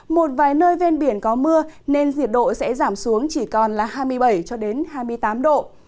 một vài nơi ven biển có mưa nên nhiệt độ sẽ giảm xuống chỉ còn là hai mươi bảy cho đến hai mươi tám độ